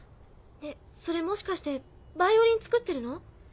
ねぇそれもしかしてバイオリン作ってるの？